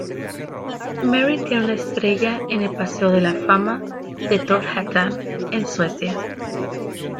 Marie tiene una estrella en el Paseo de la fama de Trollhättan en Suecia.